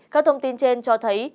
các thông tin trên cho thấy